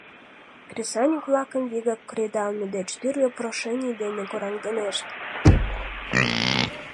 Кресаньык-влакым вигак кредалме деч тӱрлӧ прошений дене кораҥдынешт.